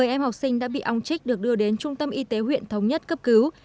một mươi em học sinh đã bị ong chích được đưa đến trung tâm y tế huyện thống nhất cấp cứu